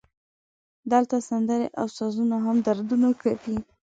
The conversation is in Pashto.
دلته سندرې او سازونه هم دردونه کوي